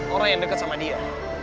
orang yang dekat sama dia